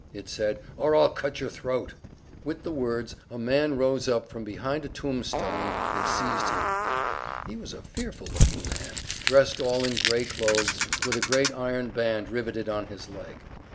it said, "or I'll cut your throat!" With the words a man rose up from behind a tombstone and seized him. He was a fearful looking man, dressed all in gray clothes, with a great iron band riveted on his leg.